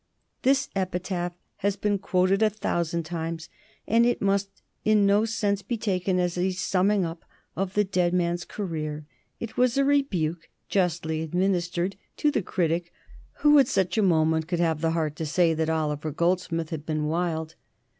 This epitaph has been quoted a thousand times, but it must in no sense be taken as a summing up of the dead man's career. It was a rebuke, justly administered, to the critic who at such a moment could have the heart to say that Oliver Goldsmith had been wild.